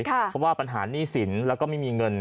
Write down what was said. เพราะว่าปัญหาหนี้สินแล้วก็ไม่มีเงิน